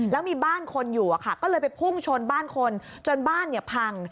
แล้วมีบ้านคนอยู่ก็เลยไปพุ่งชนบ้านคนจนบ้านพัง